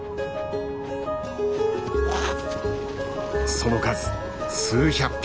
その数数百匹。